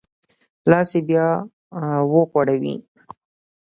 لاس یې بیا وغوړوی.